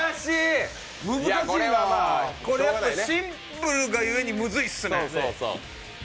シンプルが故にむずいっすね。